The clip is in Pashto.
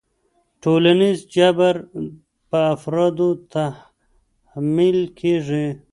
ټولنیز جبر په افرادو تحمیل کېږي.